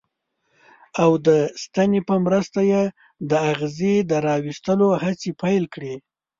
او د ستنې په مرسته یې د اغزي د را ویستلو هڅې پیل کړې.